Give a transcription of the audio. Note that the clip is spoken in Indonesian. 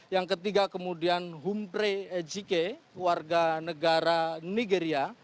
yang ketiga kemudian humpre ejike warga negara nigeria